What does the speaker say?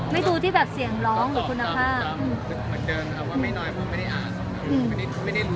ดูที่แบบเสียงร้องหรือคุณภาพ